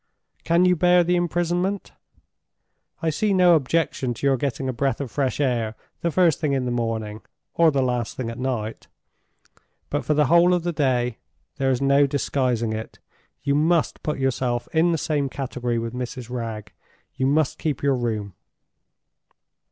Can you bear the imprisonment? I see no objection to your getting a breath of fresh air the first thing in the morning, or the last thing at night. But for the whole of the day, there is no disguising it, you must put yourself in the same category with Mrs. Wragge—you must keep your room."